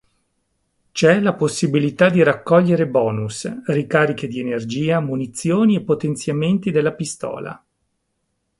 C'è la possibilità di raccogliere bonus, ricariche di energia, munizioni e potenziamenti della pistola.